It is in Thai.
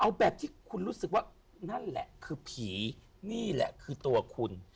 เอาแบบที่คุณรู้สึกว่านั่นแหละคือผีนี่แหละคือตัวคุณ